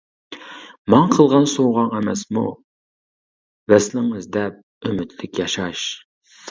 ماڭا قىلغان سوۋغاڭ ئەمەسمۇ، ۋەسلىڭ ئىزدەپ ئۈمىدلىك ياشاش.